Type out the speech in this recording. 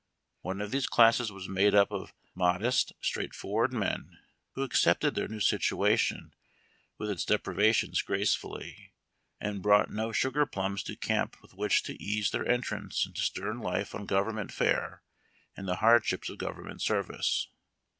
One of these classes was made up of modest, straightforward men, who accepted their new situation with its deprivations gracefully, and brought no sugar plums to camp with which to ease their entrance into stern life on government fare and the hard ships of government service.